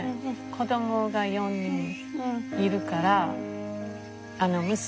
子供が４人いるから娘